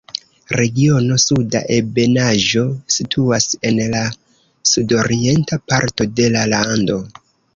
Regiono Suda Ebenaĵo situas en la sudorienta parto de la lando.